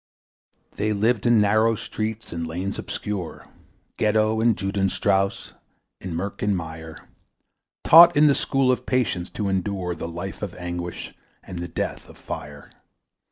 They lived in narrow streets and lanes obscure, Ghetto and Judenstrass, in mirk and mire; Taught in the school of patience to endure The life of anguish and the death of fire.